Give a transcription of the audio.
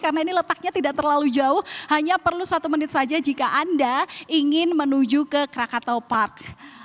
karena ini letaknya tidak terlalu jauh hanya perlu satu menit saja jika anda ingin menuju ke krakatau park